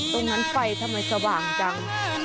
ตรงนั้นไฟทำไมสว่างจัง